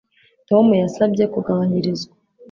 Tom yasabye kugabanyirizwa